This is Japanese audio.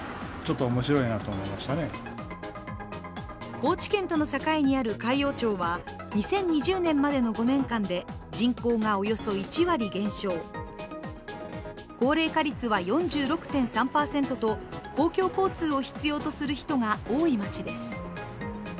高知県との境にある海陽町は２０２０年までの５年間で人口がおよそ１割減少、高齢化率は４６．３％と公共交通を必要とする人が多い町です。